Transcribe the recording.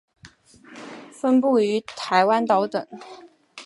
分布于台湾岛等。